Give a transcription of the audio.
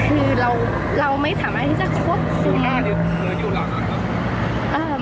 คือเราไม่สามารถที่จะควบคุม